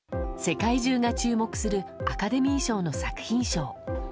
世界中が注目するアカデミー賞の作品賞。